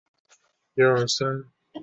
瓦迪斯瓦夫三世。